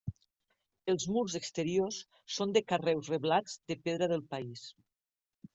Els murs exteriors són de carreus reblats de pedra del país.